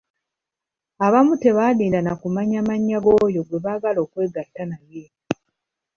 Abamu tebalinda na kumanya mannya g'oyo gwe baagala okwegatta naye.